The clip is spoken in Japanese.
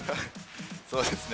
そうですね。